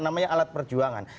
namanya alat perjuangan